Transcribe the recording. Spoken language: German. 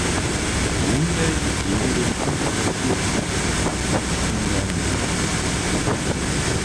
Runde gegen den Fünftplatzierten der Abstiegsrunde ermitteln.